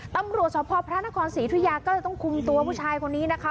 ตำรวจสพพระนครศรีธุยาก็เลยต้องคุมตัวผู้ชายคนนี้นะคะ